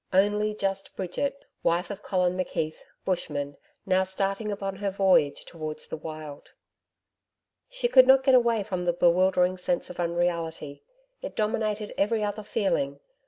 Only just Bridget, wife of Colin McKeith, Bushman, now starting upon her voyage towards the Wild. She could not get away from the bewildering sense of unreality. It dominated every other feeling.